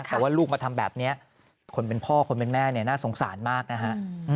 แต่ว่าลูกมาทำแบบนี้คนเป็นพ่อคนเป็นแม่เนี่ยน่าสงสารมากนะฮะ